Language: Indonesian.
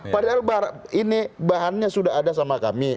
padahal ini bahannya sudah ada sama kami